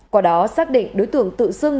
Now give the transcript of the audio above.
quả đó xác định đối tượng tự xưng